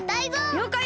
りょうかい！